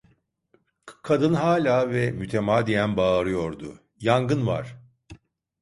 Kadın hâlâ ve mütemadiyen bağırıyordu: - Yangın var!